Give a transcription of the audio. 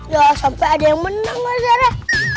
ya sampai ada yang menang pak zara